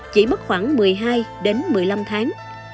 chỉ mất khoảng một mươi hai đến một mươi năm tháng